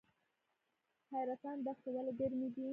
حیرتان دښتې ولې ګرمې دي؟